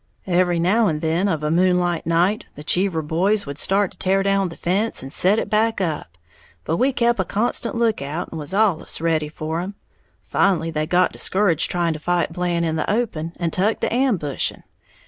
Every now and then, of a moonlight night, the Cheever boys would start to tear down the fence and set it back up; but we kep' a constant lookout, and was allus ready for 'em. Finally they got discouraged trying to fight Blant in the open, and tuck to ambushing.